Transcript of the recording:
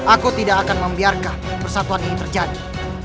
aku tidak akan membiarkan persatuan ini terjadi